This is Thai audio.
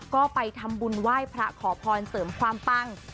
ก็ไปทำบุญไหว้พระขอพรเสริมความปัง